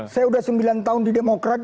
saya sudah sembilan tahun di demokrat